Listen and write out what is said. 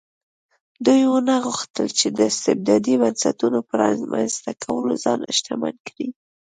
دوی ونه غوښتل چې د استبدادي بنسټونو په رامنځته کولو ځان شتمن کړي.